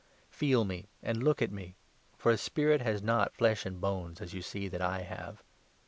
Feel me, and look at me, for a spirit has not flesh and bones, as you see that I have."